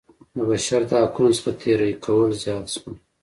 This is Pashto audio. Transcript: د بشر د حقونو څخه تېری کول زیات شول.